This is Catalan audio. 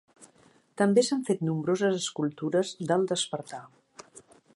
També s"han fet nombroses escultures del "despertar".